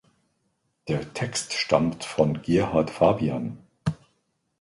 Der Text stammt von Gerhard Fabian.